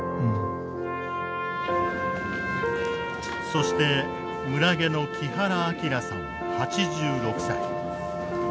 そして村下の木原明さん８６歳。